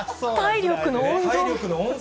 体力の温存？